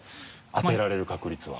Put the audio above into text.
当てられる確率は。